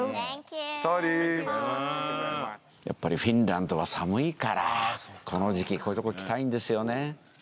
やっぱりフィンランドは寒いからこの時期こういうところ来たいんですよね。